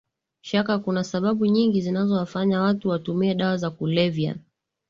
shaka kuna sababu nyingi zinazowafanya watu watumie dawa za kulevya